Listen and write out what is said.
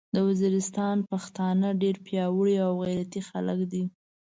د ویزیریستان پختانه ډیر پیاوړي او غیرتي خلک دې